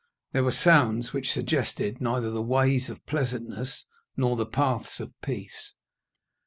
There were sounds which suggested neither the ways of pleasantness nor the paths of peace.